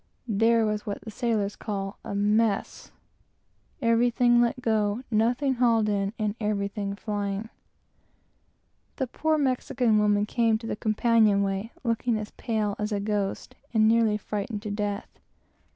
There was what the sailors call a "mess" everything let go, nothing hauled in, and everything flying. The poor Spanish woman came to the companion way, looking as pale as a ghost, and nearly frightened to death.